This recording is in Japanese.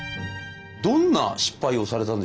どんな失敗をされたんでしょうか。